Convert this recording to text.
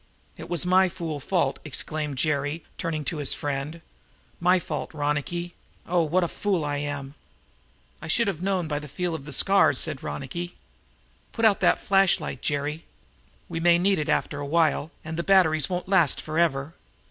"It was my fool fault," exclaimed Jerry, turning to his friend. "My fault, Ronicky! Oh, what a fool I am!" "I should have known by the feel of the scars," said Ronicky. "Put out that flash light, Jerry. We may need that after a while, and the batteries won't last forever."